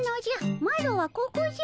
マロはここじゃ。